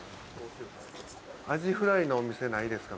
アジフライのお店ないですか？